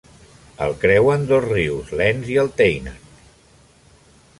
El creuen dos rius, l'Enz i el Teinach.